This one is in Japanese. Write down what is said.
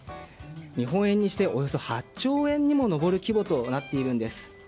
日本円にしておよそ８兆円にも上る規模となっているんです。